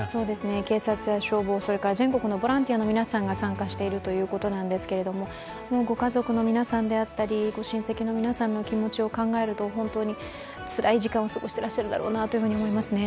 警察や消防、それから全国のボランティアの皆さんが参加しているということですがご家族の皆さんや親戚の皆さんのお気持ちを考えると本当につらい時間を過ごしてらっしゃるだろうなと思いますね。